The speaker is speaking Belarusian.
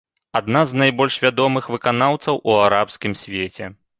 Адна з найбольш вядомых выканаўцаў у арабскім свеце.